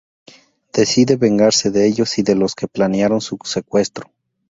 Decide vengarse de ellos y de los que planearon su secuestro.